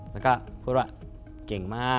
แล้วก็พูดว่า